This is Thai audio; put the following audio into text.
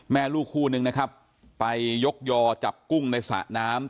แม่ลูกคู่นึงนะครับไปยกยอจับกุ้งในสระน้ำ